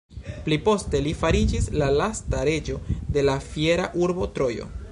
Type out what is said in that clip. Pli poste li fariĝis la lasta reĝo de la fiera urbo Trojo.